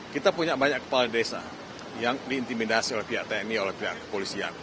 kita punya banyak kepala desa yang diintimidasi oleh pihak tni oleh pihak kepolisian